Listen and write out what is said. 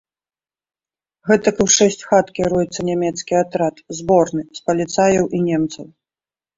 Гэтак і ў шэсць хат кіруецца нямецкі атрад, зборны, з паліцаяў і немцаў.